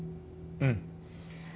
うん